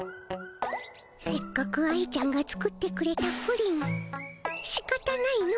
せっかく愛ちゃんが作ってくれたプリンしかたないの。